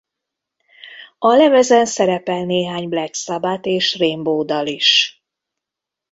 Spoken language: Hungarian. A lemezen szerepel néhány Black Sabbath- és Rainbow-dal is.